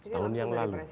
tahun yang lalu